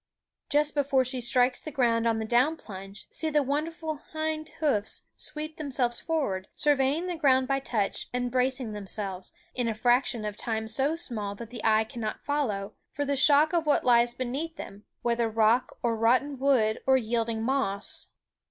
Just before she strikes the ground on the down plunge, see the wonderful hind hoofs sweep themselves forward, surveying the ground by touch, and bracing themselves, in a fraction of time so small that the eye cannot follow, for the shock of what lies beneath them, whether rock or rotten wood or yielding moss.